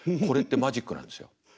これってマジックなんですよ。